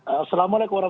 assalamualaikum wr wb